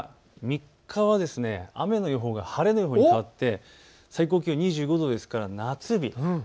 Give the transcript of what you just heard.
３日は雨の予報が晴れの予報に変わって最高気温２５度ですから夏日。